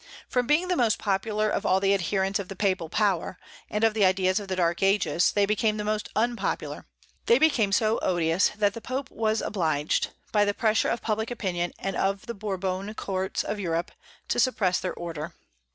From being the most popular of all the adherents of the papal power, and of the ideas of the Dark Ages, they became the most unpopular; they became so odious that the Pope was obliged, by the pressure of public opinion and of the Bourbon courts of Europe, to suppress their Order.